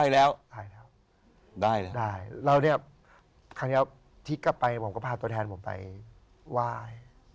แล้วเนี่ยครั้งนี้ที่กลับไปผมก็พาตัวแทนผมไปวาย